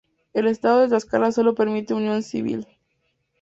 El estado de Tlaxcala solo permite unión civil.